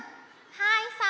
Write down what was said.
はいさい。